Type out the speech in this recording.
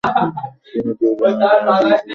তিনি তিউনিসিয়ার জায়তুনা বিশ্ববিদ্যালয়ে যোগদান করেন।